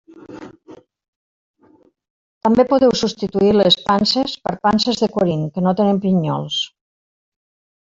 També podeu substituir les panses per panses de Corint, que no tenen pinyols.